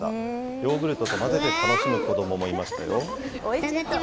ヨーグルトと混ぜて楽しむ子どももいましたよ。